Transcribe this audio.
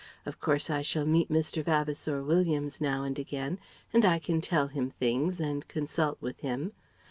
Of course I shall meet Mr. Vavasour Williams now and again and I can tell him things and consult with him.